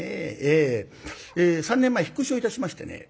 え３年前引っ越しをいたしましてね。